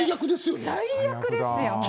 最悪ですよ。